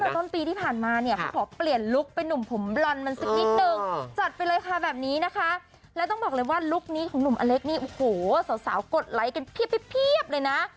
ต้นปีที่ผ่านมาเนี่ยเขาขอเปลี่ยนลุคเป็นนุ่มผมบลอนมันสักนิดนึงจัดไปเลยค่ะแบบนี้นะคะแล้วต้องบอกเลยว่าลุคนี้ของหนุ่มอเล็กนี่โอ้โหสาวกดไลค์กันเพียบเลยนะ